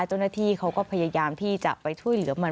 เจ้าหน้าที่เขาก็พยายามที่จะไปช่วยเหลือมัน